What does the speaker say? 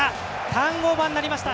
ターンオーバーになりました。